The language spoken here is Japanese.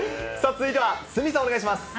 続いては、鷲見さん、お願いします。